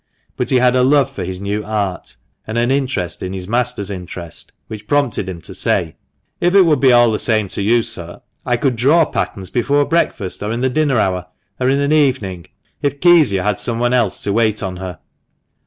But he had a love for his new art, and an interest in his master's interest, which prompted him to say —" If it would be all the same to you, sir, I could draw patterns before breakfast, or in the dinner hour, or in an evening, if Kezia had someone else to wait on her."